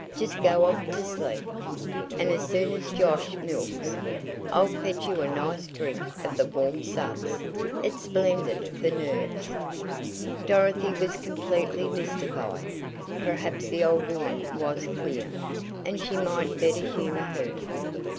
Jest go off to sleep, and as soon as Josh milks, I'll fetch you a nice drink of the warm suds it's splendid fer nerves." Dorothy was completely mystified. Perhaps the old woman was queer, and she might better humor her.